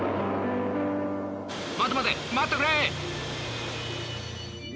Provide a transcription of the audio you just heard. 待て待て待ってくれ！